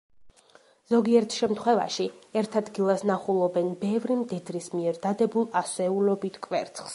ზოგიერთ შემთხვევაში, ერთ ადგილას ნახულობენ ბევრი მდედრის მიერ დადებულ ასეულობით კვერცხს.